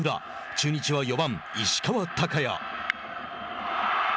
中日は４番石川昂弥。